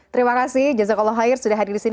terima kasih jazakallah khair sudah hadir disini